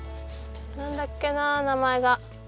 なんだっけな名前が。